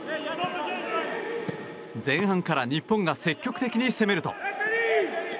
前半から日本が積極的に攻めると。